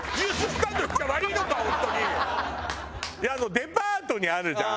デパートにあるじゃん。